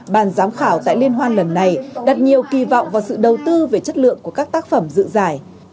bàn giám khảo tại liên hoan lần này đặt nhiều kỳ vọng vào sự đầu tư về chất lượng của các tác phẩm dự giải